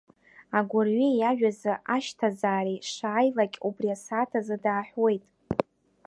Агәырҩеи ажәазы ашьҭазаареи шааилакь, убри асааҭ азы дааҳәуеит.